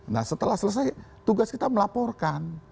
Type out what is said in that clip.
nah setelah selesai tugas kita melaporkan